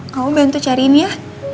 kamu bantu cariin ya